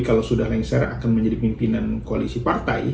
kalau sudah lengser akan menjadi pimpinan koalisi partai